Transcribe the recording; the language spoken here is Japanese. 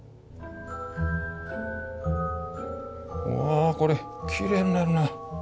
あこれきれいになるな。